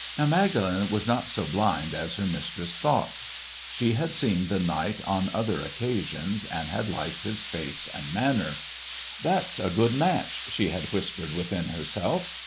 Now Magdalen was not so blind as her mistress thought. She had seen the knight on other occasions and had liked his face and manner. "That's a good match!" she had whispered within herself.